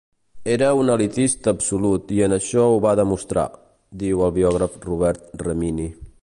"Era un elitista absolut i en això ho va demostrar", diu el biògraf Robert Remini.